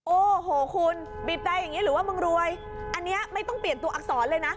โอ้โหคุณบีบแต่อย่างนี้หรือว่ามึงรวยอันนี้ไม่ต้องเปลี่ยนตัวอักษรเลยนะ